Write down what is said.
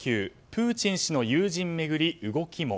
プーチン氏の友人巡り動きも。